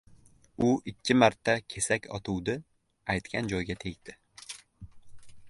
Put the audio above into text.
U ikki marta kesak otuvdi aytgan joyga tegdi.